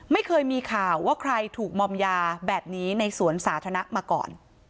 ไม่เคยมีข่าวว่าใครถูกมอมยาแบบนี้ในสวนสาธารณะมาก่อน